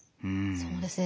そうですね。